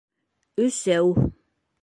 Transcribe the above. Өсәү.